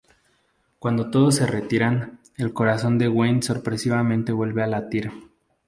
Cuando todos se retiran, el corazón de Wayne sorpresivamente vuelve a latir.